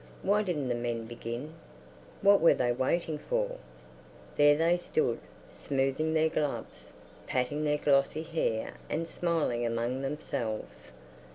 Why didn't the men begin? What were they waiting for? There they stood, smoothing their gloves, patting their glossy hair and smiling among themselves.